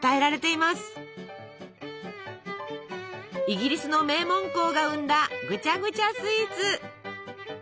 イギリスの名門校が生んだぐちゃぐちゃスイーツ。